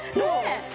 違う？